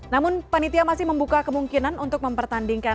namun panitia masih membuka kemungkinan untuk mempertandingkan